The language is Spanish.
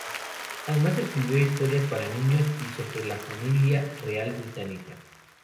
Además, escribió historias para niños y sobre la familia Real británica.